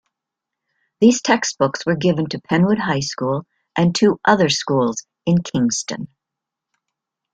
These textbooks were given to Penwood High School and two other schools in Kingston.